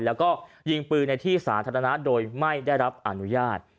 แล้วก็ยิงปืนในที่สาธารณะโดยไม่ได้รับอนุญาต